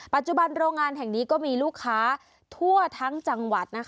ปัจจุบันโรงงานแห่งนี้ก็มีลูกค้าทั่วทั้งจังหวัด